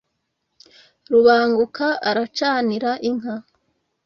rubanguka aracanira inka,